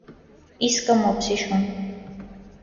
ի՛սկը մոպսի շուն: